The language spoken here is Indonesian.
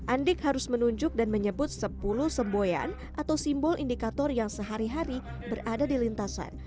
andik harus menunjuk dan menyebut sepuluh semboyan atau simbol indikator yang sehari hari berada di lintasan